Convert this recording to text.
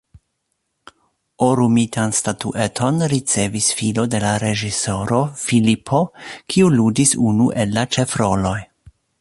Orumitan statueton ricevis filo de la reĝisoro, Filipo, kiu ludis unu el la ĉefroloj.